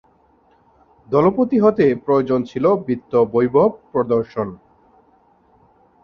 দলপতি হতে প্রয়োজন ছিল বিত্ত-বৈভব প্রদর্শন।